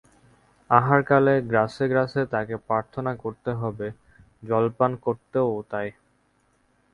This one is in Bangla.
আহারকালে গ্রাসে গ্রাসে তাকে প্রার্থনা করতে হবে, জল পান করতেও তাই।